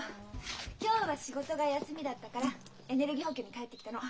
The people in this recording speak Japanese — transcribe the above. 今日は仕事が休みだったからエネルギー補給に帰ってきたの。